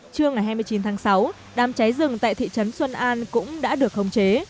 trưa ngày hai mươi chín tháng sáu đám cháy rừng tại thị trấn xuân an cũng đã được khống chế